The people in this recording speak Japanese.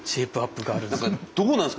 どうなんですか？